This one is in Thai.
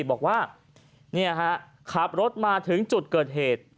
บอกว่าขับรถมาถึงจุดเกิดเหตุ